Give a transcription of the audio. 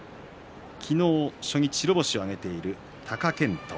昨日、初日白星を挙げている貴健斗